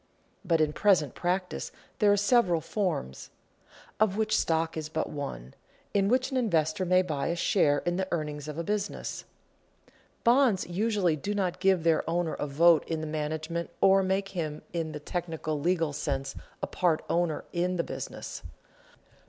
But in present practice there are several forms (of which stock is but one) in which an investor may buy a share in the earnings of a business. Bonds usually do not give their owner a vote in the management or make him in the technical legal sense a part owner in the business.